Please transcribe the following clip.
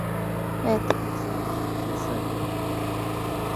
外套则以黑色为主。